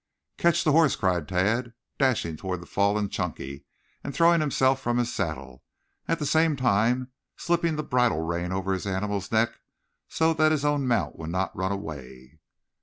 "Catch the horse!" cried Tad, dashing toward the fallen Chunky and throwing himself from his saddle, at the same time slipping the bridle rein over his animal's neck so that his own mount would not run away.